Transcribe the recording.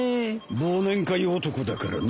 忘年会男だからね。